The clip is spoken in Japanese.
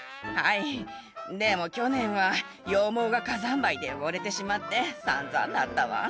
でも、去年は羊毛が火山灰で汚れてしまって散々だったわ。